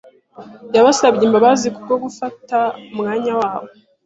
Yabasabye imbabazi kubwo gufata umwanya wabo.